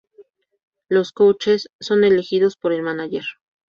Los "coaches" son elegidos por el mánager.